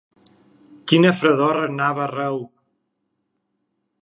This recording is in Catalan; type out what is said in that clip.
Quina fredor regnava arreu